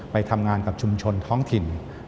ไปทำงานกับชุมชนท้องถิ่น